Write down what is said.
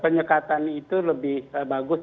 penyekatan itu lebih bagus